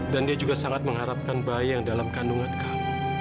dan dia juga sangat mengharapkan bayi yang dalam kandungan kamu